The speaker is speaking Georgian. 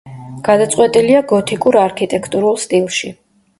გადაწყვეტილია გოთიკურ არქიტექტურულ სტილში.